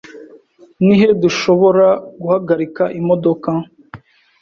Ni he dushobora guhagarika imodoka?